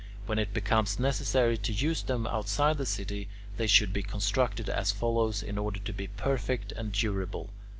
When it becomes necessary to use them outside the city, they should be constructed as follows in order to be perfect and durable.